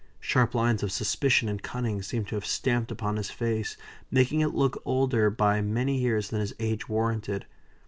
Sharp lines of suspicion and cunning seemed to have been stamped upon his face, making it look older by many years than his age warranted.